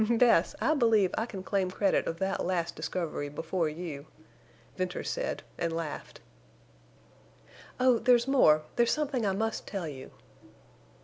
"Bess, I believe I can claim credit of that last discovery—before you," Venters said, and laughed. "Oh, there's more—there's something I must tell you."